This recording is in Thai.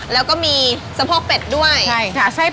แล้วก็มีสะพกเป็ดด้วย